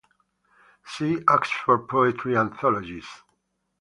See Oxford poetry anthologies.